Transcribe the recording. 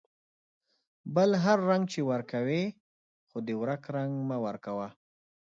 بل هر رنگ چې ورکوې ، خو د ورک رنگ مه ورکوه.